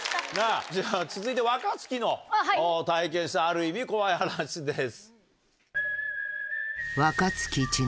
じゃ続いて若槻の体験したある意味怖い話です。